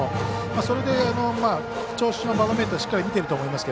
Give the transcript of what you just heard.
それで調子のバロメーターしっかり見ていると思います。